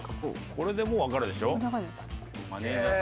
これで分かるでしょ。